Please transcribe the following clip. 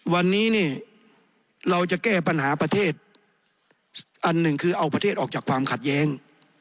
วันนี้เนี่ยเราจะแก้ปัญหาประเทศอันหนึ่งคือเอาประเทศออกจากความขัดแย้ง